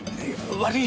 悪い。